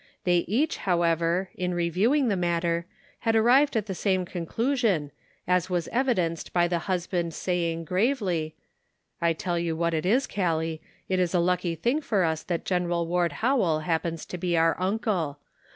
They each, however, in reviewing the matter, had arrived at the same conclusion, as was evidenced by the husband saying, gravely : "I tell you what it is, Callie, it is a lucky thing for us that Gen. Ward Howell happens to be our uncle